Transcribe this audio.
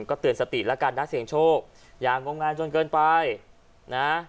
ก็เตือนสติแล้วกันนะเสียงโชคอย่างงมงายจนเกินไปนะ